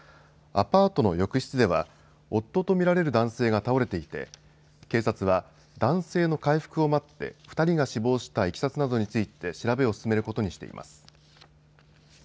アパートの浴室では夫とみられる男性が倒れていて警察は男性の回復を待って２人が死亡したいきさつなどについて調べを進めることにしています。